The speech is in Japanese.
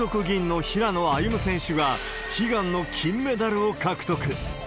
銀の平野歩夢選手が、悲願の金メダルを獲得。